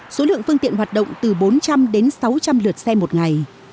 số lượng phương tiện hoạt động từ bốn trăm linh đến sáu trăm linh lượt xe một ngày